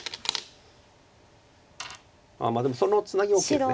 ああでもそのツナギ大きいです。